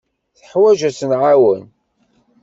Teḥwaj ad tt-nɛawen.